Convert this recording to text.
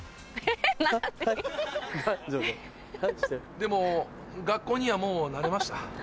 でも学校にはもう慣れました？